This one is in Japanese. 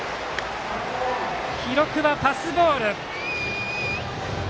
記録はパスボール。